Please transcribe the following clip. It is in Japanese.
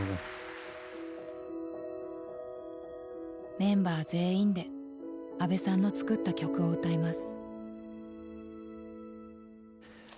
メンバー全員で安部さんの作った曲を歌います。